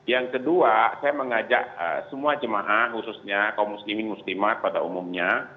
yang kedua saya mengajak semua jemaah khususnya kaum muslimin muslimat pada umumnya